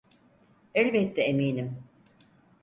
Elbette eminim.